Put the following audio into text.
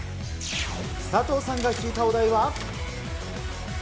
佐藤さんが引いたお題は。